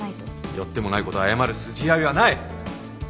やってもないこと謝る筋合いはない！